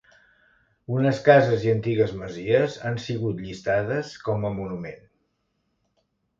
Unes cases i antigues masies han sigut llistades com a monument.